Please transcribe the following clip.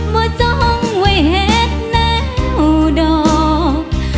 มาจ้องไว้เห็นแนวดอก